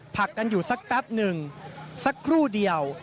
ผลักกันอยู่สักแป๊บหนึ่งสักครู่เดียว